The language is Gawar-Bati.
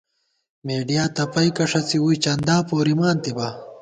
مېڈیا تپَئیکہ ݭَڅی ، ووئی چندا پورِمانتِبا